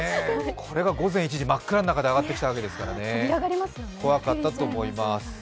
これが午前１時、真っ暗な中で揚がってきたわけですから、恐かったと思います。